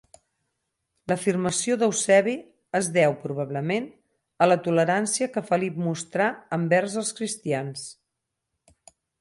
L'afirmació d'Eusebi es deu, probablement, a la tolerància que Felip mostrà envers els cristians.